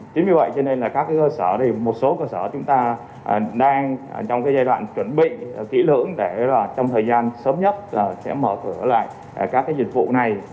chính vì vậy cho nên là các cơ sở thì một số cơ sở chúng ta đang trong giai đoạn chuẩn bị kỹ lưỡng để trong thời gian sớm nhất là sẽ mở cửa lại các dịch vụ này